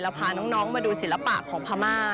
พาน้องมาดูศิลปะของพม่า